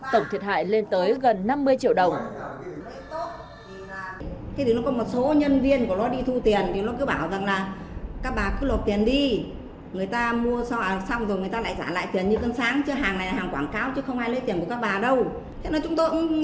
tổng thiệt hại lên tới gần năm mươi triệu đồng